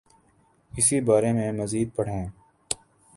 اسی بارے میں مزید پڑھیے